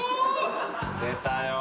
出たよ。